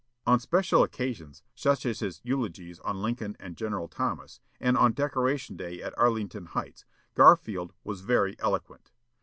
On special occasions, such as his eulogies on Lincoln and General Thomas, and on Decoration Day at Arlington Heights, Garfield was very eloquent.